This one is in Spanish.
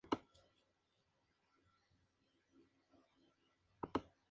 Solera se comercializa aparte de Venezuela en Aruba, Bonaire y Curazao.